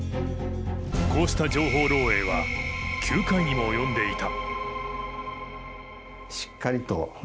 こうした情報漏えいは９回にも及んでいた。